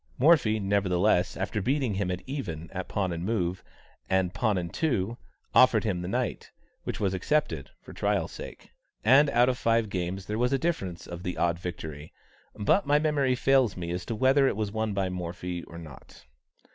Morphy, nevertheless, after beating him at even, at pawn and move, and pawn and two, offered him the knight, which was accepted "for trial's sake;" and out of five games there was a difference of the odd victory, but my memory fails me as to whether it was won by Morphy or not.